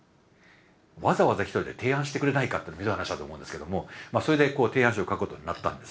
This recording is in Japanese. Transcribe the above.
わざわざ来といて提案してくれないかってひどい話だと思うんですけどもまあそれで提案書を書くことになったんです。